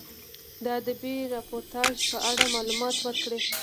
د ادبي راپورتاژ په اړه معلومات ورکړئ.